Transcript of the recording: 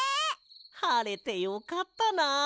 はれてよかったな。